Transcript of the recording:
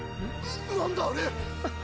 何だあれ⁉ん？